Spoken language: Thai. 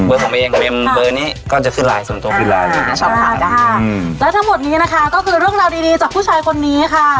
อืมเบอร์ของเองเบอร์นี้ก็จะซึ่งไลน์ส่วนตัวอืมแล้วทั้งหมดนี้นะคะก็คือเรื่องราวดีดีจากผู้ชายคนนี้ค่ะ